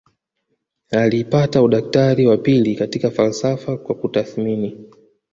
Alipata udaktari wa pili katika falsafa kwa kutathmini